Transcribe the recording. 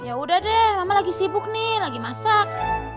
ya udah deh mama lagi sibuk nih lagi masak